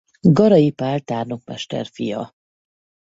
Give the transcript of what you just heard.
Garai Pál tárnokmester fia.